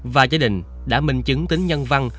và gia đình đã minh chứng tính nhân văn